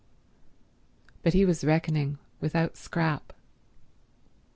But he was reckoning without Scrap.